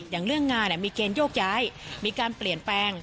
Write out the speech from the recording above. อย่างเรื่องงานมีเกณฑ์โยกย้ายมีการเปลี่ยนแปลง